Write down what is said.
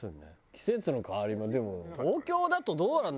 季節の変わり目でも東京だとどうなんだろう？